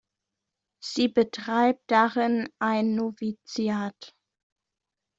Sie betreibt darin ein Noviziat.